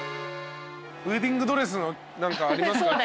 ウエディングドレスなんかあります？